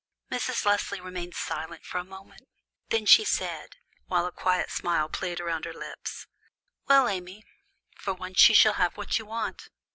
Mrs. Leslie remained silent for a moment; then she said, while a quiet smile played round her lips, "Well, Amy, for once you shall have what you want.